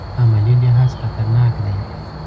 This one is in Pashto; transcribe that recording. عملي لحاظ خطرناک دی.